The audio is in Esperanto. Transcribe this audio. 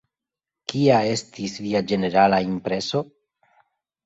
Kia estis via ĝenerala impreso?